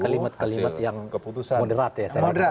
kelimat kelimat yang moderat ya saya